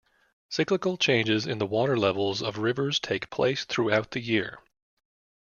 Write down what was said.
Cyclical changes in the water levels of rivers take place throughout the year.